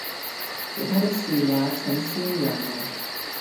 其他的事也請先讓路